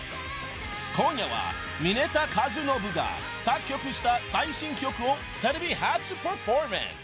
［今夜は峯田和伸が作曲した最新曲をテレビ初パフォーマンス］